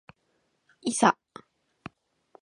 いさ